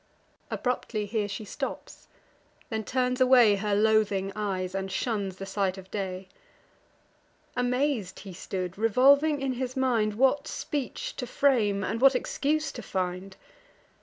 Abruptly here she stops; then turns away Her loathing eyes, and shuns the sight of day. Amaz'd he stood, revolving in his mind What speech to frame, and what excuse to find.